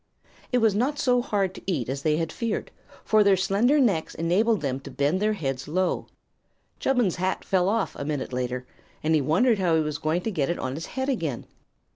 It was not so hard to eat as they had feared, for their slender necks enabled them to bend their heads low. Chubbins' hat fell off, a minute later, and he wondered how he was going to get it on his head again.